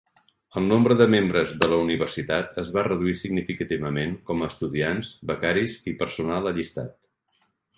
El nombre de membres de la Universitat es va reduir significativament com a estudiants, becaris i personal allistat.